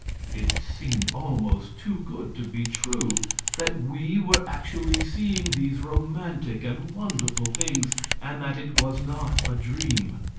It seemed almost too good to be true, that we were actually seeing these romantic and wonderful things, and that it was not a dream.